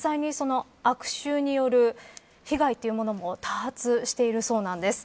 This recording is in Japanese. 実際に悪臭による被害というものも多発しているそうなんです。